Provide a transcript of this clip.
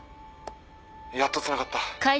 やっとつながった。